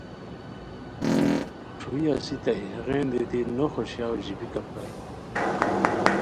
ݯھوئے اسیتائے ہتیغین دیتی نو خوشویاو ژیبیکا پرائے